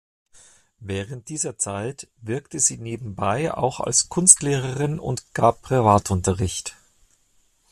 Während dieser Zeit wirkte sie nebenbei auch als Kunstlehrerin und gab Privatunterricht.